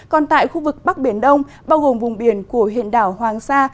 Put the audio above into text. còn tại khu vực bắc biển đông bao gồm vùng biển của huyện đảo hoàng sa